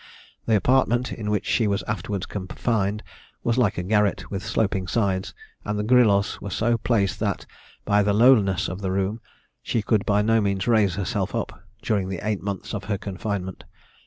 The apartment, in which she was afterwards confined, was like a garret, with sloping sides, and the grillos were so placed that, by the lowness of the room, she could by no means raise herself up, during the eight months of her confinement.